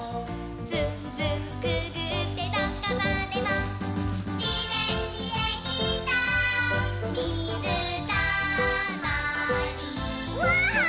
「ずんずんくぐってどこまでも」「じめんにできたみずたまり」わ！